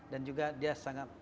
dan juga dia sangat